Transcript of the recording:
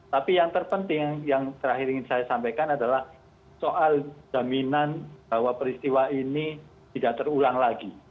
tapi yang terpenting yang terakhir ingin saya sampaikan adalah soal jaminan bahwa peristiwa ini tidak terulang lagi